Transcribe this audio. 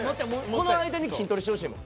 この間に筋トレしてほしいもん。